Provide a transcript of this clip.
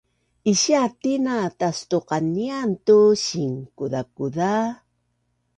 Isia tina tastuqanian tu sinkuzakuza